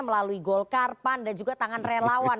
melalui gol karpan dan juga tangan relawan